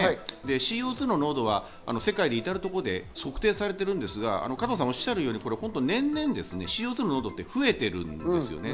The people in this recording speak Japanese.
ＣＯ２の濃度は世界のいたるところで測定されているんですが加藤さんおっしゃるように年々、ＣＯ２の濃度って増えてるんですね。